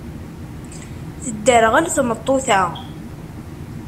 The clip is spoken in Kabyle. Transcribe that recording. Tedderɣel tmeṭṭut-a.